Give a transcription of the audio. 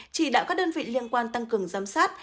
chỉ đạo các đơn vị liên quan tăng cường giám sát